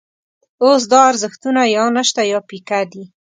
اوس دا ارزښتونه یا نشته یا پیکه دي.